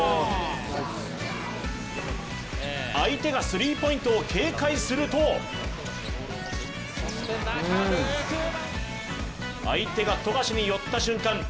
相手がスリーポイントを警戒すると相手が富樫に寄った瞬間